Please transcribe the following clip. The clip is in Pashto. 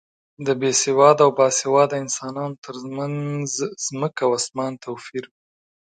د بې سواده او با سواده انسانو تر منځ ځمکه او اسمان توپیر وي.